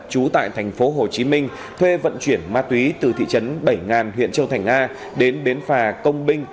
chú tại thành phố hồ chí minh thuê vận chuyển ma túy từ thị trấn bảy ngàn huyện châu thành nga đến bến phà công binh